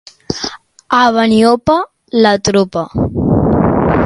A Beniopa, la tropa.